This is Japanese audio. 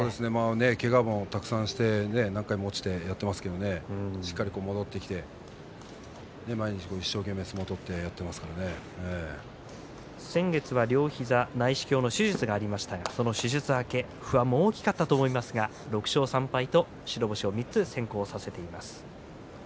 けがをたくさんしてなんかも落ちてやっていますがしっかり戻ってきて毎日一生懸命相撲を取って先月は両膝に内視鏡の手術がありましたが、その手術明け不安も大きかったと思いますが６勝３敗と白星３つ先行させています。